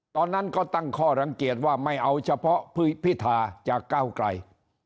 ตอนนั้นก็ตั้งข้อรังเกียจว่าไม่เอาเฉพาะพิธาจากก้าวไกล